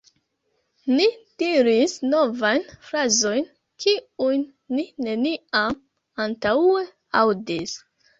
Ni diris novajn frazojn, kiujn ni neniam antaŭe aŭdis.